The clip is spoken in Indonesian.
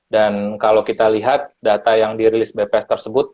dan kalau kita lihat data yang dirilis bps tersebut